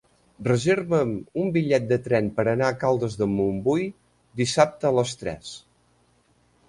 Reserva'm un bitllet de tren per anar a Caldes de Montbui dissabte a les tres.